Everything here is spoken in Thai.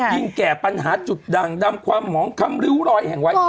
แก่ปัญหาจุดดั่งดำความหมองคำริ้วรอยแห่งไว้